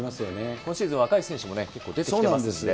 今シーズンは若い選手も結構出てきてますし。